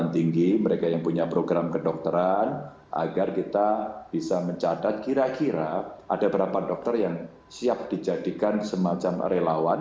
terima kasih pak dir